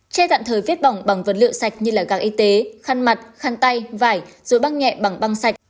che tạm thời viết bỏng bằng vật liệu sạch như gạc y tế khăn mặt khăn tay vải rồi băng nhẹ bằng băng sạch